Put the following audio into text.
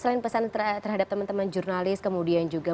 selain pesan terhadap teman teman jurnalis kemudian juga